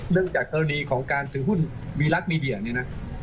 เรื่องจากกรณีของการถึงหุ้นวีลักษณ์มีเดียเนี่ยนะ